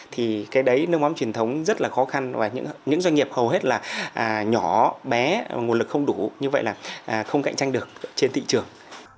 thì cái đấy nước mắm truyền thống rất là khó khăn và những doanh nghiệp hầu hết là nhỏ bé nguồn lực không đủ như vậy là không cạnh tranh được trên thị trường